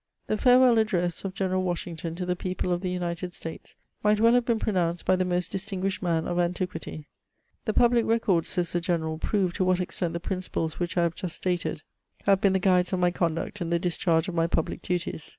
The farewell address of General Washington to the people of the United States might well have been pronounced by the most distinguished man of antiquity. " The public records," says the general, " prove to what extent the principles which I have just stated have been the guides of CHATEAUBRIAND. 299 my conduct in the discharge of my public duties.